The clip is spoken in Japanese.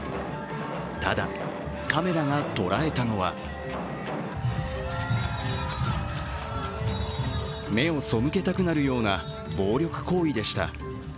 ただ、カメラが捉えたのは目を背けたくなるような暴力行為でした。